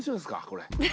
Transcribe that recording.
これ。